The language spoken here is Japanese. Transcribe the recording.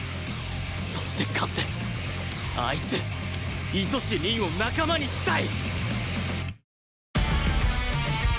そして勝ってあいつ糸師凛を仲間にしたい！